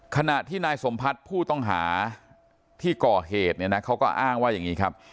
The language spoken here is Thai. ขณะที่นายสมพัฒน์ผู้ต้องหาที่ก่อเหตุเนี่ยนะเขาก็อ้างว่าอย่างนี้ครับ